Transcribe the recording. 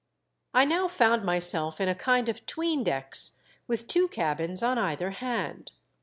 I now found myself in a kind of 'tween decks, with two cabins on either hand.